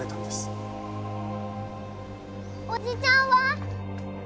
おじちゃんは？